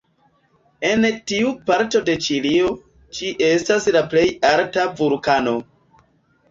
En tiu parto de Ĉilio, ĝi estas la plej alta vulkano.